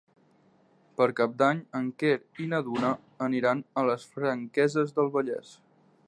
Per Cap d'Any en Quer i na Duna aniran a les Franqueses del Vallès.